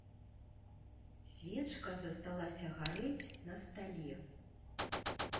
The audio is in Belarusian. Свечка засталася гарэць на стале.